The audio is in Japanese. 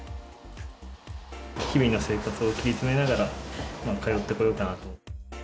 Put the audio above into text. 日々の生活を切り詰めながら通ってこようかなと。